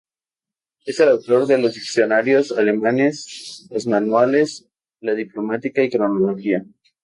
Él es autor de los diccionarios alemanes, los manuales de diplomática y cronología.